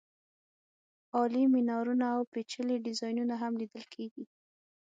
عالي مېنارونه او پېچلي ډیزاینونه هم لیدل کېږي.